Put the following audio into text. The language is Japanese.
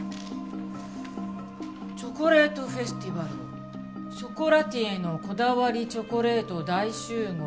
「チョコレートフェスティバル」「ショコラティエのこだわりチョコレート大集合！」